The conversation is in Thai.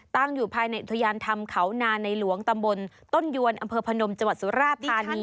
ตั้งอยู่ภายในฐรยานทำเขานาอย์ในหลวงตำบลต้นยวนอพทสุราติธานี